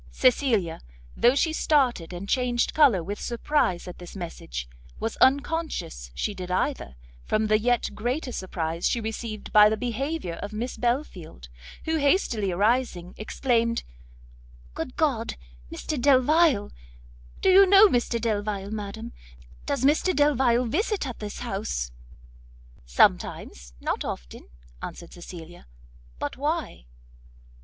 Cecilia, though she started and changed colour with surprize at this message, was unconscious she did either, from the yet greater surprise she received by the behaviour of Miss Belfield, who hastily arising, exclaimed "Good God, Mr Delvile! do you know Mr Delvile, madam? does Mr Delvile visit at this house?" "Sometimes; not often," answered Cecilia; "but why?"